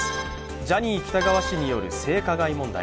ジャニー喜多川氏による性加害問題。